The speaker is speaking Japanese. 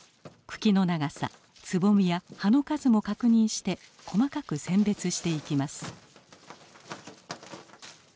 茎の長さつぼみや葉の数も確認して細かく選別していきます。